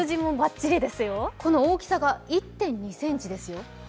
この大きさが１．２ｃｍですよ。